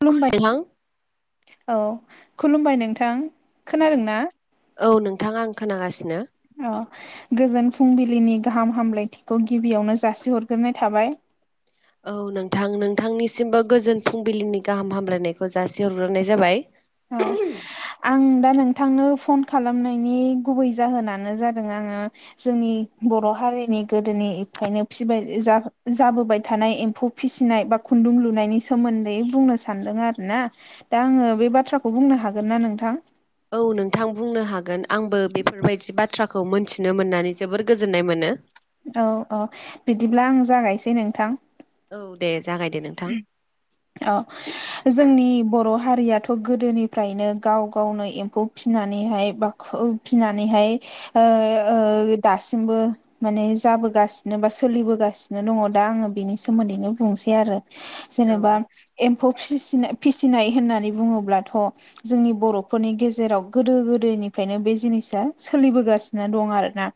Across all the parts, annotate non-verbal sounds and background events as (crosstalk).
खुलुमबाय नोंथां औ खुलुमबाय नोंथां। खोनादोंना औ नोंथां आं खोनागासिनो औ गोजोन फुंबिलिनि गाहाम हामलायथिखौ गिबियावनो जासिहरग्रोनाय थाबाय औ नोंथां नोंथांनिसिमबो गोजोन फुंबिलिनि गाहाम हामलायनायखौ जासिहरग्रोनाय जाबाय। औ आं दा नोंथांनो फन खालामनायनि गुबै जाहोनानो जादों आङो जोंनि बर' हारिनि गोदोनिफ्रायनो फिबाय जा जाबोबाय थानाय एम्फौ फिसिनाय बा खुन्दुं लुनायनि सोमोन्दै बुंनो सानदों आरोना दा आङो बे बा बाथ्राखौ बुंनो हागोन ना नोंथां? औ नोंथां बुंनो हागोन आंबो बेफोरबायदि बाथ्राखौ मोनथिनो मोननानै जोबोर गोजोननाय मोनो। औ-औ बिदिब्ला आं जागायसै नोंथां। औ दे जागायदो नोंथां औ जोंनि बर' हारियाथ' गोदोनिफ्रायनो गाव गावनो एम्फौ फिनानैहाय बा फिनानैहाय दासिमबो माने जाबोगासिनो बा सोलिबोगासिनो दङ दा आङो बिनि सोमोन्दैनो बुंनोसै आरो औ जेनेबा एम्फौ फिसिनाय होननानै बुङोब्लाथ' जोंनि बर'फोरनि गेजेराव गोदो गोदायनि निफ्रायनो बे जिनिसा सोलिबोगासिनो दं आरोना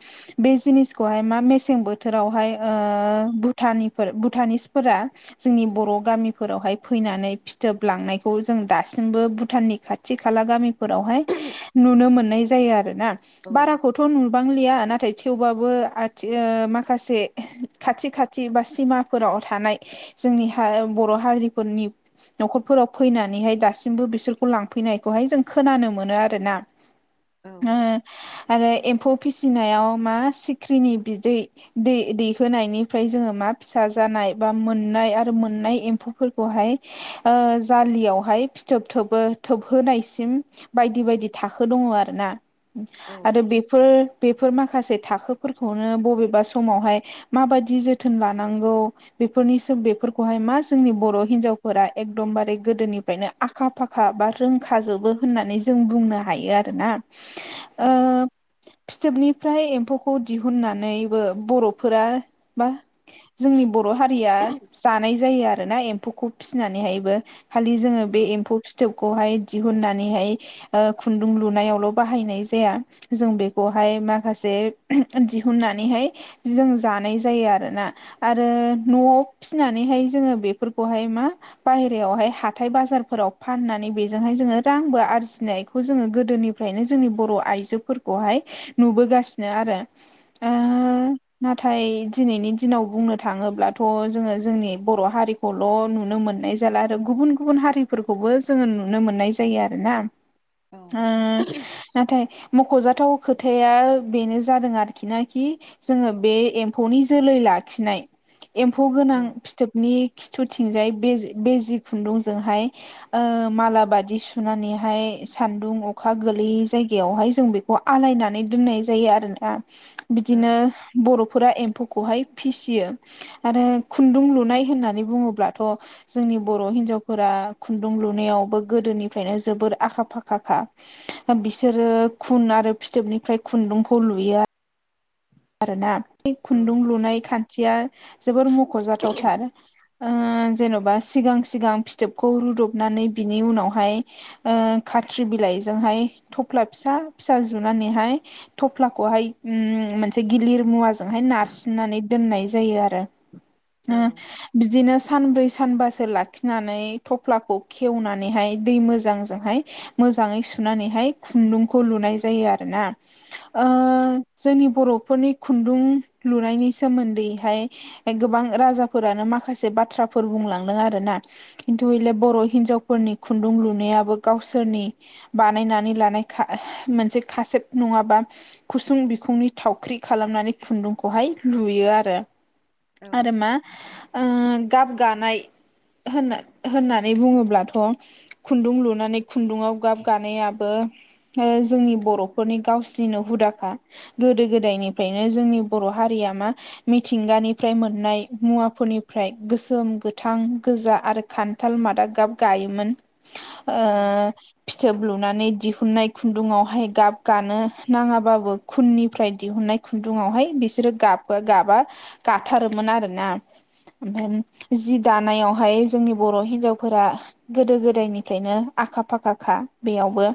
बे जिनिसखौहाय मा मेसें बोथोराव आवहाय ओ भुटानिफोर भुटानिसफोरा जोंनि बर' गामिफोरावहाय फैनानै फिथोब लांनायखौ जों दासिमबो भुटाननि खाथि खाला गामिफोरावहाय नुनो मोननाय जायो आरोना औ बाराखौथ' नुबांलिया नाथाय थेवबो थेवबो माखासे खाथि खाथि बा सिमाफोराव थानाय जोंनि हा बर' हारिफोरनि न'खरफोराव फैनानैहाय दासिमबो बिसोरखौ लांफैनायखौहाय जों खोनानो मोनो आरोना। औ आरो एम्फौ फिसिनायाव मा सिख्रिनि बिदै दै दैहोनायनिफ्राय जोङो मा फिसा जानाय बा मोन मोननाय आरो मोननाय एम्फौफोरखौहाय जालियावहाय फिथोब थोबहो होनायसिम बायदि बायदि थाखो दङ आरोना औ आरो बेफोर बेफोर माखासे थाखोफोरखौनो बबेबा समावहाय माबायदि जोथोन लानांगौ बेफोरनि बेफोरखौहाय मा जोंनि बर' हिनजावफोरा एकदमबारे गोदोनिफ्रायनो आखा फाखा बा रोंखा जोबो होननानै जों बुंनो हायो आरोना। औ फिथोबनिफ्राय एम्फौखौ दिहुननानैबो बर'फोरा बा जोंनि बर' हारिया जानाय जायो आरोना एम्फौखौ फिसिनानैहायबो। खालि जोङो बे एम्फौ फिथोबखौहाय दिहुननानैहाय खुन्दुं लुनायावल' बाहायनाय जाया जों बेखौहाय माखासे बे दिहुननानैहाय जों जानाय जायो आरोना आरो न'आव फिनानैहाय जोङो बेफोरखौहाय मा बाहेरायावहाय हाथाय बाजारफोराव फाननानै बेजोंहाय जोङो रांबो आरजिनायखौ जोङो गोदोनिफ्रायनो जोंनि बर' आइजोफोरखौहाय नुबोगासिनो आरो नाथाय दिनैनि दिनाव बुंनो थाङोब्लाथ' जोङो जोंनि बर' हारिखौल' नुनो मोननाय जाला आरो गुबुन गुबुन हारिफोरखौबो जोङो नुनो मोनो मोननाय जायो आरोना औ नाथाय मख'जाथाव खोथाया बेनो जादों आरोखिनाखि जोङो बे एम्फौनि जोलै जोलै लाखिनाय एम्फौ गोनां औ फिथोबनि खिथुथिंजाय बे बेजि खुन्दुंजोंहाय मालाबादि सुनानैहाय सान्दुं अखा गोलैयै जायगायावहाय जों बेखौ आलायनानै दोननाय जायो आरोना औ बिदिनो बर'फोरा एम्फौखौहाय फिसियो। आरो खुन्दुं लुनाय होननानै बुङोब्लाथ' जोंनि बर' हिन्जावफोरा खुन्दुं लुनायाव गोदोनिफ्रायनो जोबोर आखा फाखा खा बिसोरो खुन आरो फिथोबनिफ्राय खुन्दुंखौ लुयो आ रोना बै औ खुन्दुं लुनाय खान्थिया जोबोर मख'जाथावथार ओ जेन'बा सिगां सिगां फिथोबखौ रुदनानै बिनि उनावहाय ओ खाखि बिइ बेजोंहाय थफ्ला फिसा-फिसा जुनानैहाय थफ्लाखौहाय उम मोन मनसे गिलिर मुवाजोंहाय नारसिननानै दोननाय जायो आरो उम बिदिनो सानब्रै सानबासो लाखिनानै थफ्लाखौ खेवनानैहाय दै मोजांजोंहाय मो जाङै सुनानैहाय खुन्दुंखौ लुनाय जायो आरोना ओ जोंनि बर' फोरनि खुन्दुं लुनायनि सोमोन्दैहाय गोबां राजाफोरानो माखासे बाथ्रा फोर बुंलांदों आरो ना खिन्थु बेले बर' हिनजावफोरनि खुन्दुं लुनायाबो गावसोरनि बानायनानै लानाय खा मोनसे खासेब नङाबा खुसुं बिखुंनि थावख्रि खालामनानै खुन्दुंखौहाय लुयो आरो आरो मा ओ गाब गानाय होनना होननानै बुङोब्लाथ' खुन्दुं लुनानै खुन्दुआव गाब गानायाबो जोंनि बर'फोरनि गावसोरनो हुदाखा गोदो गोदायनि फ्रायनो जोंनि बर' हारिया मा मिथिंगानिफ्राय मोननाय मुवाफोरनिफ्राय गोसोम गोथां गोजा आरो खान्थाल मादा गाब गायोमोन। ओ फिथोब लु नानै दिहुननाय खुन्दुंङावहाय गाब गानो नाङाबाबो खुननिफ्राय दिहुननाय खुन्दुंङावहाय बिसोरो गाबो गाबा गाथारोमोन आरोना ओमफ्राय जि दानायावहाय जोंनि बर' हिनजावफोरा गोदो गोदायनिफ्रायनो आ आखा फाखाखा बेयावबो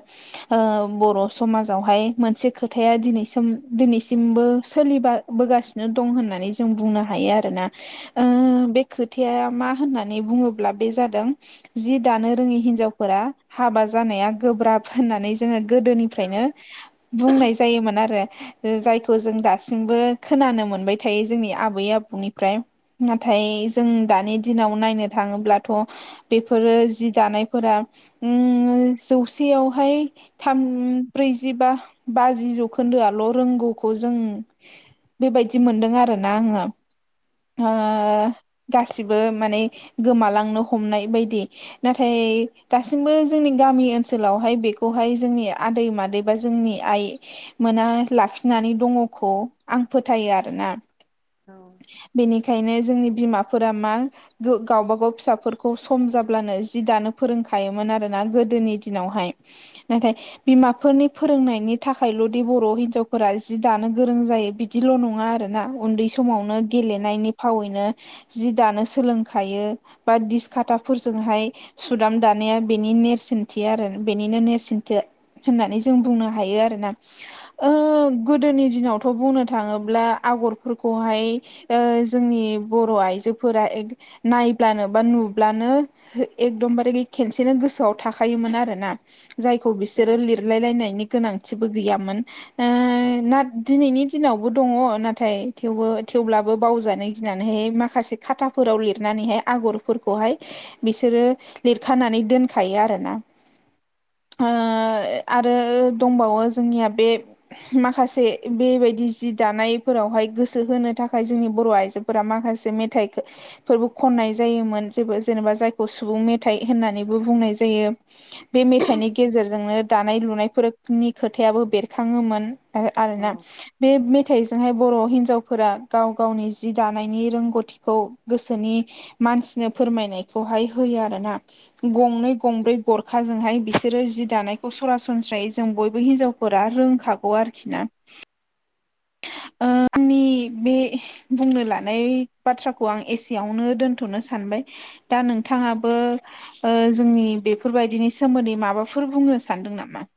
ओ बर' समाजावहाय मोनसे खोथाया दिनैसम दोनैसि मबो सोलिबा बोगासिनो दं होननानै जों बुंनो हायो आरोना ओ बे खो खोथाया मा होननानै बुङोब्ला बे जादों जि दानो रोङै हिनजावफोरा हाबा जानाय नाया गोब्रहोनानै जोङो दोनिफ्रायनो बुंनाय जायोमोन आरो जायखौ खौ जों दासिमबो खोनानो मोनबाय थायो जोंनि आबै आबौनिफ्राय नाथाय जों दानि दिनाव नायनो थाङोब्लाथ' बेफोरो जि दानायफोरा उम जौसेयावहाय थाम ब्रैजिबा बाजि जौखोन दोआल' रोंगौखौ जों बेबायदि मोनदों आरोना आङो ओ गासिबो माने गोमालांनो हमनाय बायदि नाथाय बे दासिमबो जोंनि गामि ओनसोलावहाय बेखौहाय जोंनि आदै मादै बा जोंनि आइ मोना लाखि खिनानै दङखौ आं फोथायो आरोना बेनिखायनो जोंनि बिमाफोरा मा गावबा गाव फिसाफोरखौ सम जाब्लानो जि दानो फोरोंखायोमोन आरोना गोदोनि दिनावहाय नाथाय बिमाफोरनि फोरोंनायनि थाखायल'दि बर' हिनजाव फोरा जि दानो गोरों जायो बिदिल' नङा आरोना उन्दै समावनो गेलेनायनि फावैनो जि दानो सोलोंखायो बा दिसकथाफोरजोंहाय सुदाम दानाया बेनि नेरसोनथि आरो बेनिनो नेरसोनथि होननानै जों बुंनो हायो आरोना ओ गोदोनि दिनावथ' बुंनो थाङोब्ला आगरफोरखौहाय ओ जोंनि बर'आइ जोफोरा एक नायब्लानो बा नुब्लानो एकदमबारे खेसेनो गोसोआव था खायोमोन आरोना जायखौ बिसोरो लिरलायनायनि गोनांथिबो गैयामोन ओ दिनैनि दिनावबो दङ नाथायबो थेवब्लाबो बावजानो गिनानैहाय माखा से खाथाफोराव लिरनानैहाय आगरफोरखौहाय बिसोरो लिरखानानै दोनखायो आरो ना ओ आरो दंबावो जोंनिया बे माखासे बेबायदि जि दानायफोरावहाय गोसो होनो थाखाय जोंनि बर' आइजोफोरा माखासे मेथाइफोरबो खननाय जायोमोन जेबो जेनेबा जायखौ सुबुं मेथाइ होननानैबो बुंनाय जायो। बे मेथाइनि गेजेरजोंनो दानाय लुनायफोरनि खोथायाबो बेरखाङोमोन। आरोना बे थाइ जोंहाय बर' हिनजावफोरा गाव गावनि जि दानायनि रोंगौथिखौ गोसोनि मानसिनो फोरमायनायखौहाय होयो आरो ना गंनै गंब्रै गरखाजोंहाय बिसोरो जि दानायखौ सरासनस्रायै जों बयबो हिनजावफोरा रोंखागौ आरोखि ना (inaudible) ओ आंनि बे बुंनो लानाय बाथ्राखौ आं एसेयावनो दोनथ'नो सान बाय दा नोंथाङाबो ओ जोंनि बेफोरबायदिनि सोमोन्दै माबाफोर बुंनो सा नदों नामा?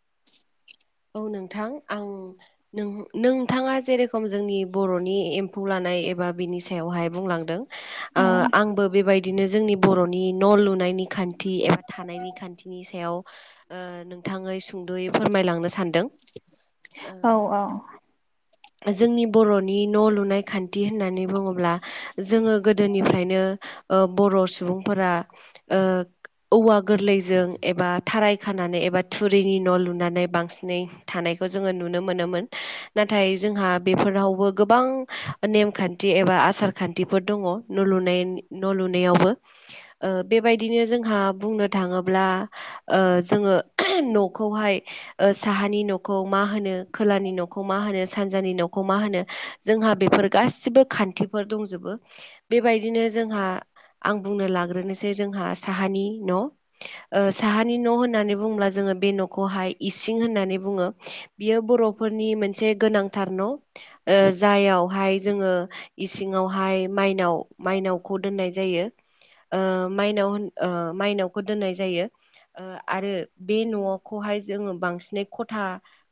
नोंथां आं नोंथाङा जेरेखम जोंनि बर'नि एमफौ लानाय एबा बिनि सायावहाय बुंलांदों ओ औ आंबो बे बाय दिनो जोंनि बर'नि न' लुनायनि खान्थि एबा थानायनि खान्थिनि सायाव ओ गोथाङै सुंद'यै फोरमायलांनो सानदों। ओ औ औ जोंनि बर'नि न' लुनाय खान्थि होननानै बुङोब्ला जोङो गोदोनिफ्रायनो ओ बर' सुबुंफोरा ओ औवा गोरलैजों एबा थाराइ खानानै एबा थुरिनि न' लुनानै बांसिन नै थानायखौ जोङो नुनो मोनोमोन नाथाय जोंहा बेफोरावबो गोबां माने नेमखान्थि एबा आसान आसार खान्थिफोर दंङ न' लुने न' लुनायावबो ओ बे बाय दिनो जोंहा बुंनो थाङोब्ला जोङो न'खौहाय साहानि न'खौ मा होनो खोलानि न'खौ मा होनो सानजानि न'खौ मा होनो जोंहा बे फोर गासिबो खान्थिफोर दंजोबो बेबायदिनो जोंहा आं बुंनो लाग्रोनोसै जोंहा साहानि न' ओ साहानि न' होननानै बुंब्ला जो ङो बे न'खौहाय इसिं होननानै बुङो बियो बर'फोरनि मोनसे गोनांथार न' ओ जायाव हाय जोङो इसिङावहाय मायनाव माइनावखौ दोननाय जायो। माइनाव होन माइनावखौ दोननाय जायो आरो बे न'खौहाय जोङो बांसिनै खथा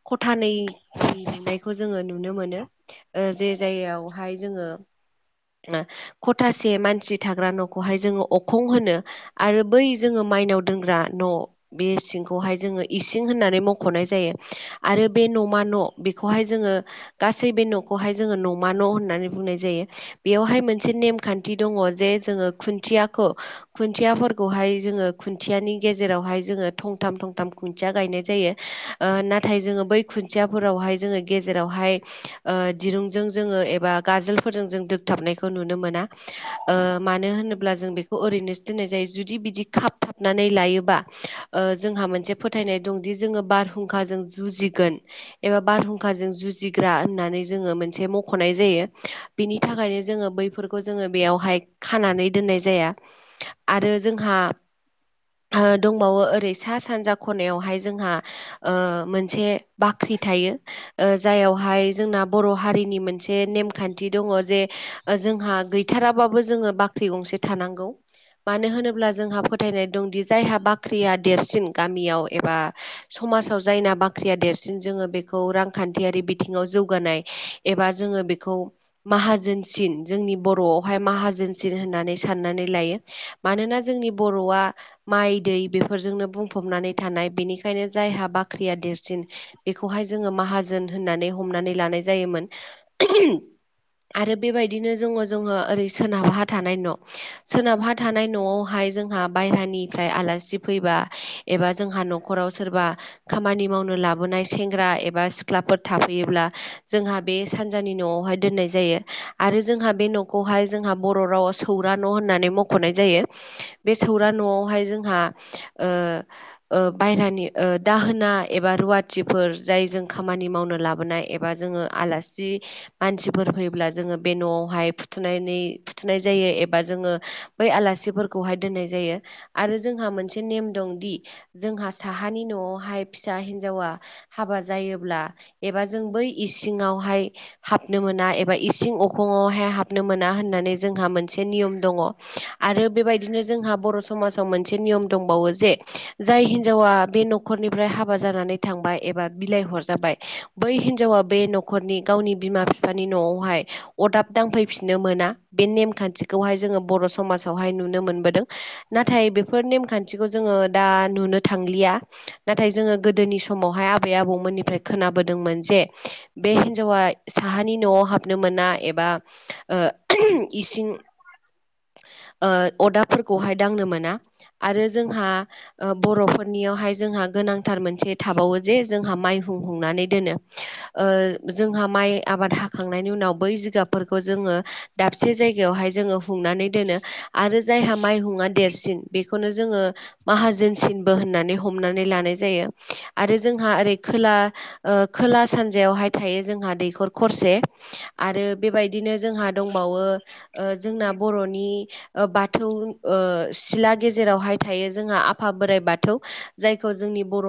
खथानैनि लुनायखौ जोङो नुनो मोननो जे जायगायावहाय जोङो ओ खथासे मानसि थाग्रा न'खौहाय जोङो अखं होनो आरो बै जोङो माइनाव दोनग्रा न' बे सिंखौहाय जोङो इसिं होननानै मख'नाय जायो आरो बे न'मा न' बेखौहाय जोङो गासै बे न' खौहाय जोङो न'मा न' होननानै बुंनाय जायो बेयावहाय मोनसे नेमखान्थि दङ जे जोङो खुनथि खुन्याखौ खुन्थियाफोरखौहाय जोङो खुन्थियानि गेजेरावहाय जोङो थंथाम थंथाम खुन्थिया गायनाय जायो ओ नाथाय जोङो बै खुन्थियाफोरावहाय जोङो गेजेरावहाय ओ दिरुंजों जोङो एबा गाजोलफोरजों जों दोगथाबनायखौ नुनो मोना मानो होनो ब्ला जों बेखौहाय ओरैनो सो दोन्नाय जायो जुदि बिदि खाबथाबनानै लायोब्ला ओ जोंहा मोनसे फोथायनाय दंदि जोङो बारहुंखाजों जुजिगोन एबा बारहुंखाजों जुजिग्रा होननानै जोङो मोनसे मख'नाय जायो बिनि थाखायनो जोङो बैफोरखौ जोङो बेयावहाय खानानै दोन दोननाय जाया आरो जोंहा ओरै सा‌ सानजा ख' ख'नायावहाय जोंहा ओ मोनसे बाख्रि थायो जायावहाय जोंना बर' हारिनि मोनसे नेमखान्थि दङ जे जोंहा गैथाराबाबो जों जोङो बाख्रि गंसे थानांगौ मानो होनोब्ला जोंहा फोथायनाय दंदि जायहा बाख्रिया देरसिन गामियाव एबा समाजाव जायना बाख्रिया देरसिन जोङो बेखौ रांखान्थियारि बिथिङाव जों जौगानाय एबा जोङो बेखौ माहाजोनसिन जोंनि बर'आवहाय माहाजोनसिन होननानै सनानै लायो मानोना जोंनि बर'आ माइ दै बेफोरजोंनो बुं फबनानै थानाय बेनिखायनो जायहा बाख्रिया देरसिन बेखौहाय जोङो माहाजोन होननानै हमनानै लानाय जायोमोन। आरो बेबायदिनो जोङो जोङो ओरै सोनाबहा थानाय न' सोनाबहा थानाय न'आवहाय जोंहा बायेरानिनिफ्राय आलासि फैयोबा। एबा जोंहा न'खराव सोरबा खामानि मावनो लाबोनाय सेंग्रा एबा सिख्लाफोर थाफैयोब्ला जोंहा बे सानजानि न'आवहाय दोननाय जायो आरो जोंहा बे न'खौहाय जोंहा बर' राव सौरा न' होननानै मख'नाय जायो बे सौरा न'आवहाय जोंहा ओ ओ बायहेरानि ओ दाहोना एबा रुवाथिफोर जाय जों खामानि मावनो लाबोनाय एबा जोङो आलासि मानसिफोर फैयोब्ला जोङो बे न'आवहाय फुथुनानै फुथुनाय जायो। जायो एबा जोङो बै आलासिफोरखौहाय दोननाय जायो आरो जोंहा मोनसे नेम दं दि जोंहा साहानि न'आवहाय फिसा हिनजावा हाबा जायोब्ला एबा जों बै बे इसिंङावहाय हाबनो मोना एबा इसिं अखङावहाय हाबनो मोना होननानै जोंहा मोन मोनसे नियम दंङ' आरो बेबायदिनो जोंहा बर' समाव मोनसे नियम दंबावो जे जाय हिनजावा बे न'खरनिफ्राय हाबा जानानै थांबाय एबा बिलाइ हरजाबाय बै हिनजावा बे न'खरनि गावनि बिमा बिफानि न'आवहाय अदाब दांफैफिननो मोना बे नेमखान्थि खौहाय जोङो बर' समाजावहाय नुनो मोनबोदों। नाथाय बेफोर नेमखान्थिखौ जोङो दा नुनो थांलिया नाथाय जोङो गोदोनि समावहाय आबै आबौमोननिफ्राय खोनाबोदोंमोन जे बे हिनजावा साहानि न'आव हाबनो मोना एबा ओ इसिं (inaudible) ओ अदाबफोरखौहाय दांनो मोना आरो जोंहा बर'फोरनियावहाय जोंहा गोनांथार मोनसे थाबावो जे जोंहा माइ हुंनानै दोनो ओ जोंहा माइ आबाद हाखांनायनि उनाव बै जिगाबफोरखौ जों दाबसे जायगायावहाय जोङो हुंनानै दोनो आरो जायहा माइहुंआ देरसिन बेखौनो जोंङो माहा जोनसिनबो होननानै हमनानै लानाय जायो आरो जोंहा ओरै खोला ओ खोला सानजायावहाय थायो जोंहा दैखर खरसे आरो बेबायदिनो जोंहा दंबावो ओ जोंना बर'नि बाथौ ओ सिला गेजेरावहाय थायो जोंहा आफा बोराइ बाथौ जायखौ जोंनि बर'।